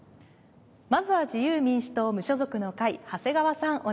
まずは自由民主党・無所属の会長谷川さん